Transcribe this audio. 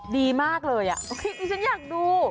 ดีมากเลยฉันอยากดู